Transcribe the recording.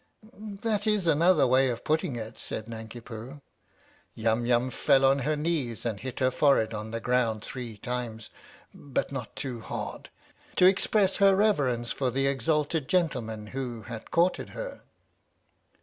"That is anotherway of putting it," said Nanki Poo. Yum Yum fell on her knees and hit her forehead on the ground three times (but not too hard) to express her reverence for the exalted gentleman who had courted her.